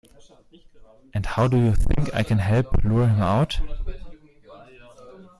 And how do you think I can help lure him out?